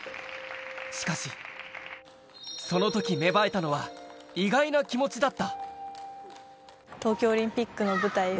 しかし、その時、芽生えたのは意外な気持ちだった。